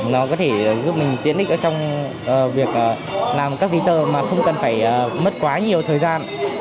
nó có thể giúp mình tiến hình trong việc làm các ví tờ mà không cần phải mất quá nhiều thời gian